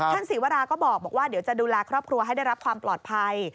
ศรีวราก็บอกว่าเดี๋ยวจะดูแลครอบครัวให้ได้รับความปลอดภัย